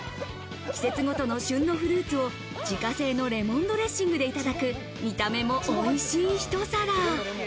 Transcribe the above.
季節ごとの旬のフルーツを自家製のレモンドレッシングでいただく、見た目もおいしい、ひと皿。